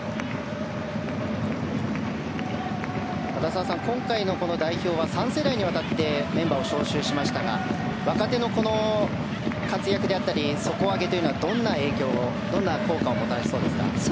澤さん、今回の代表は３世代にわたってメンバーを招集しましたが若手の活躍であったり底上げはどんな影響、どんな効果をもたらしそうですか？